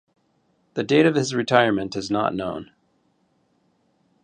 The date of his retirement is not known.